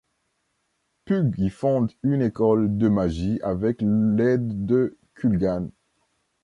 Pug y fonde une école de magie avec l'aide de Kulgan.